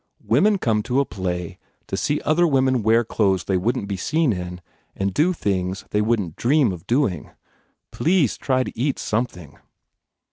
Women come to a play to see other women wear clothes they wouldn t be seen in and do things they wouldn t dream of doing. Please try to eat something."